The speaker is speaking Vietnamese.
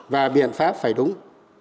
và biện pháp phải đúng